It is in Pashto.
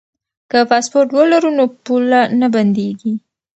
که پاسپورټ ولرو نو پوله نه بندیږي.